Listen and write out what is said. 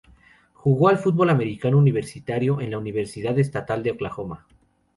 Jugó al fútbol americano universitario en la Universidad Estatal de Oklahoma.